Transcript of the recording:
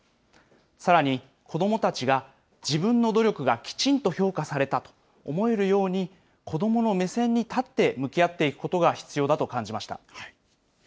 さらに、子どもたちが、自分の努力がきちんと評価されたと思えるように、子どもの目線に立って向き合っていくことが必要だと感じました。